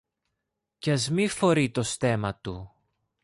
και ας μη φορεί το στέμμα του